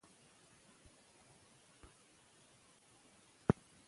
موږ باید د ژبې معیار لوړ کړو.